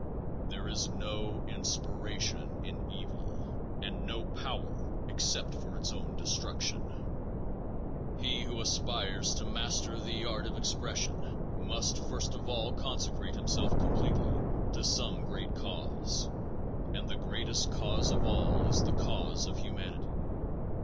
There is no inspiration in evil and no power except for its own destruction. He who aspires to master the art of expression must first of all consecrate himself completely to some great cause, and the greatest cause of all is the cause of humanity.